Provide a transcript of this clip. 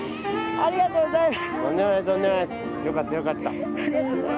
ありがとうございます。